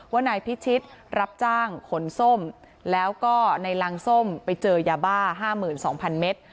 ว่านายพิชิตรับจ้างขนส้มแล้วก็ในรังส้มไปเจอยาบ้า๕๒๐๐เมตร